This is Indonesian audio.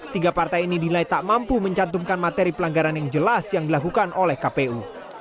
tiga partai ini dinilai tak mampu mencantumkan materi pelanggaran yang jelas yang dilakukan oleh kpu